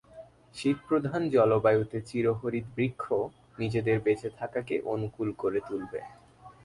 শীতপ্রধান জলবায়ুতে চিরহরিৎ বৃক্ষ নিজেদের বেঁচে থাকাকে অনুকূল করে তুলতে পারে।